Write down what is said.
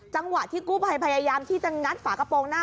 จังหวะที่กู้ภัยพยายามที่จะงัดฝากระโปรงหน้า